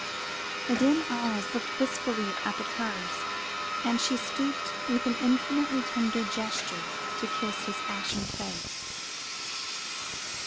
The dim eyes looked wistfully up at hers, and she stooped with an infinitely tender gesture, to kiss his ashen face.